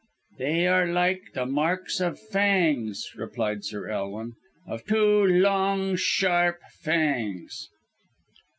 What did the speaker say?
"They are like the marks of fangs," replied Sir Elwin; "of two long, sharp fangs!"